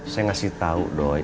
saya ngasih tau doi